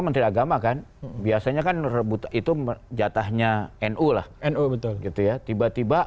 menteri agama kan biasanya kan rebut itu menjatahnya enolah enolah betul gitu ya tiba tiba